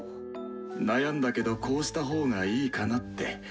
悩んだけどこうした方がいいかなって。